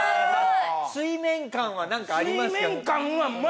水面感は何かありますか？